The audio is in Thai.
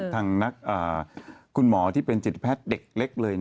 ทางนักคุณหมอที่เป็นจิตแพทย์เด็กเล็กเลย